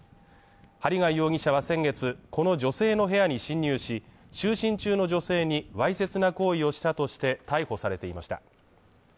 針谷容疑者は先月、この女性の部屋に侵入し、就寝中の女性にわいせつな行為をしたとして逮捕されていました。